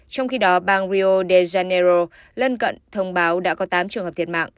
trong khi đó bang rio de janeiro lân cận thông báo đã có tám trường hợp thiệt mạng